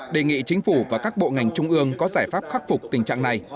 đề nghị chính phủ và các bộ ngành trung ương có giải pháp khắc phục tình trạng này